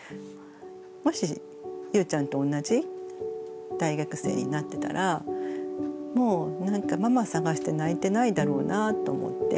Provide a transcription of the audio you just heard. もしゆうちゃんと同じ大学生になってたらもうなんかママさがして泣いてないだろうなと思って。